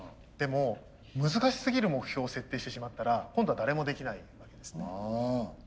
でも難しすぎる目標を設定してしまったら今度は誰もできないわけですね。